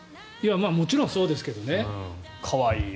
もちろんそうですけどね。